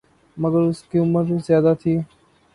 مگر اس کی عمر زیادہ تھی